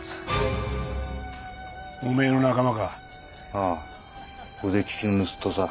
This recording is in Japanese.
ああ腕利きの盗人さ。